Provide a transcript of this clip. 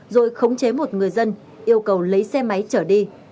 rồi khống chế một người dân yêu cầu lấy xe máy chở đi